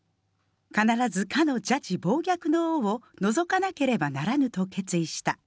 必ずかの邪智暴虐の王を除かなければならぬと決意した。